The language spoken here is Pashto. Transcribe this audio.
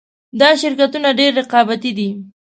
دا شرکتونه ډېر رقابتي دي